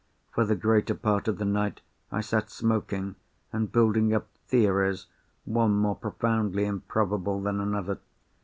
For the greater part of the night, I sat smoking, and building up theories, one more profoundly improbable than another.